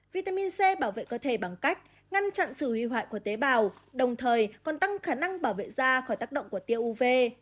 vitamin c bảo vệ cơ thể bằng cách ngăn chặn sự hủy hoại của tế bào đồng thời còn tăng khả năng bảo vệ da khỏi tác động của tiêu uv